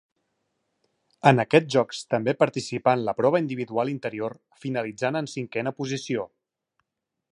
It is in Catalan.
En aquests Jocs també participà en la prova individual interior, finalitzant en cinquena posició.